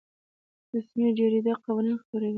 رسمي جریده قوانین خپروي